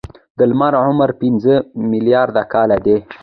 د لمر عمر پنځه ملیارده کاله دی.